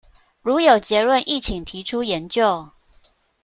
如有結論亦請提出研究